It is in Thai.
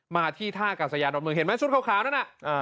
มาที่ท่ากาศยานดอนเมืองเห็นไหมชุดขาวนั่นน่ะ